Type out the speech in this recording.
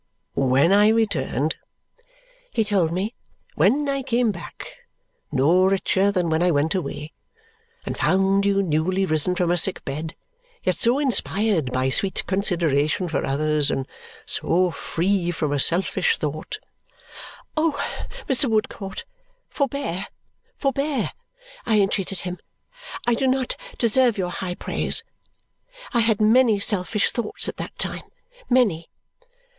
"When I returned," he told me, "when I came back, no richer than when I went away, and found you newly risen from a sick bed, yet so inspired by sweet consideration for others and so free from a selfish thought " "Oh, Mr. Woodcourt, forbear, forbear!" I entreated him. "I do not deserve your high praise. I had many selfish thoughts at that time, many!"